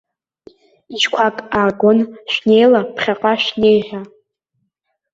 Бжьқәак аагон, шәнеила, ԥхьаҟа шәнеи ҳәа.